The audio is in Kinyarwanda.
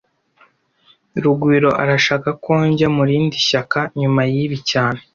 Rugwiro arashaka ko njya mu rindi shyaka nyuma yibi cyane